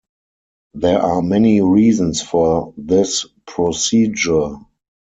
There are many reasons for this procedure.